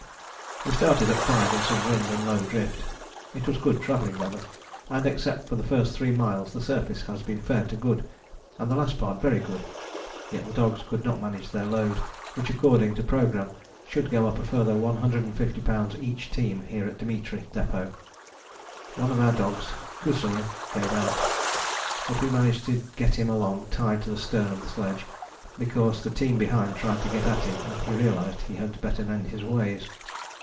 We started at five in some wind and low drift. It was good travelling weather, and except for the first three miles the surface has been fair to good, and the last part very good. Yet the dogs could not manage their load, which according to programme should go up a further 150 lbs. each team here at Dimitri Depôt. One of our dogs, Kusoi, gave out, but we managed to get him along tied to the stern of the sledge, because the team behind tried to get at him and he realized he had better mend his ways.